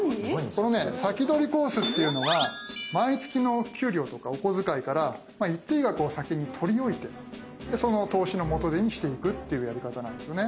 このね「先取りコース」っていうのは毎月の給料とかお小遣いから一定額を先に取り置いてその投資の元手にしていくっていうやり方なんですよね。